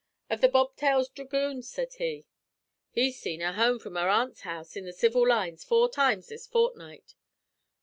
'Of the Bobtailed Dhragoons,' sez he. 'He's seen her home from her aunt's house in the civil lines four times this fortnight.'